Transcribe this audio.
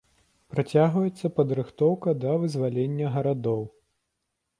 Працягваецца падрыхтоўка да вызвалення гарадоў.